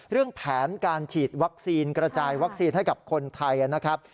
เรื่องแผนการฉีดวัคซีนกระจายวัคซีนให้กับคนไทยนะครับ